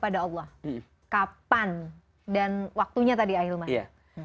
dan waktunya tadi ahil ma